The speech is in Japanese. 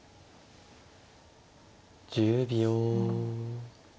１０秒。